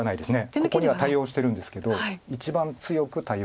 ここには対応してるんですけど一番強く対応した手です。